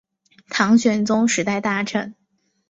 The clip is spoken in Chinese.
唐玄宗时代大臣。